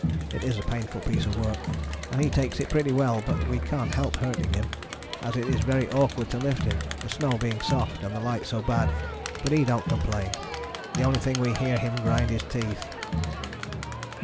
It is a painful piece of work and he takes it pretty well, but we can't help hurting him, as it is very awkward to lift him, the snow being soft and the light so bad, but he dont complain. The only thing we hear him grind his teeth.